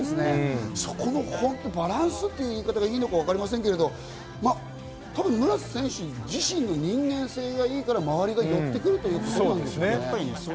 そこのバランスという言い方がいいのか、わかりませんけど、村瀬選手自身の人間性がいいから、周りが寄ってくるということなんですよね。